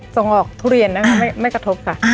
ส่งออกทุเรียนนะคะไม่กระทบค่ะ